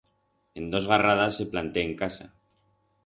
En dos garradas se planté en casa.